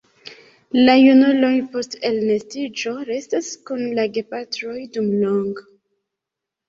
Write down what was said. La junuloj post elnestiĝo restas kun la gepatroj dumlonge.